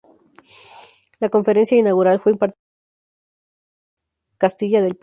La conferencia inaugural fue impartida por el psiquiatra Carlos Castilla del Pino.